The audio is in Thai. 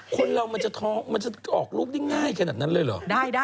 คนเรามันจะออกลูกได้ง่ายขนาดนั้นเลยเหรอ